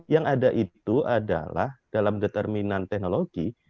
yang ada itu adalah dalam determinan teknologi